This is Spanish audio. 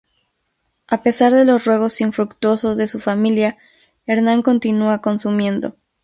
A pesar de los ruegos infructuosos de su familia, Hernán continúa consumiendo.